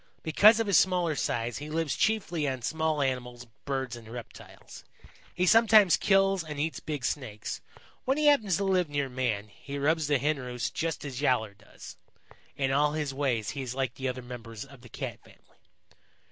Because of his smaller size, he lives chiefly on small animals, birds and reptiles. He sometimes kills and eats big Snakes. When he happens to live near man, he robs the Hen roosts just as Yowler does. In all his ways he is like the other members of the Cat family.